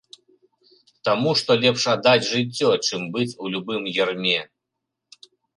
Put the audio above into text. Таму што лепш аддаць жыццё, чым быць у любым ярме.